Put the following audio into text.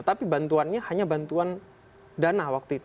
tapi bantuannya hanya bantuan dana waktu itu